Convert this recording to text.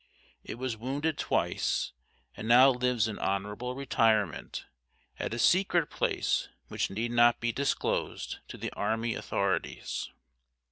It was wounded twice, and now lives in honourable retirement at a secret place which need not be disclosed to the army authorities.